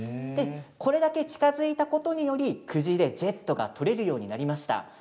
これだけ近づいたことにより久慈でジェットが採れるようになりました。